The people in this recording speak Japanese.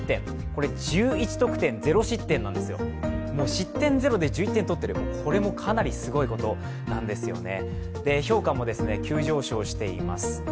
失点ゼロで１１点取ってる、これもかなりすごいことなんですよね。